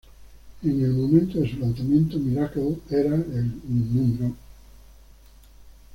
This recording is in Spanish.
En el momento de su lanzamiento, "Miracle" era el No.